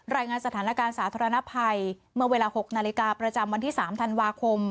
รายงานสถานการณ์สาธารณภัยเมื่อเวลา๖นาฬิกาประจำวันที่๓ธันวาคม